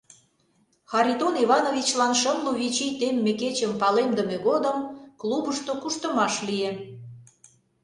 Харитон Ивановичлан шымлу вич ий темме кечым палемдыме годым клубышто куштымаш лие.